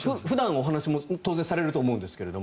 普段お話も当然されると思うんですが。